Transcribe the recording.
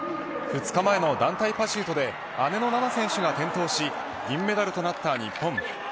２日前の団体パシュートで姉の菜那選手が転倒し銀メダルとなった日本。